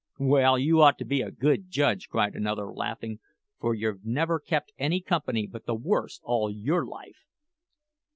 "Well, you ought to be a good judge," cried another, laughing, "for you've never kept any company but the worst all your life!"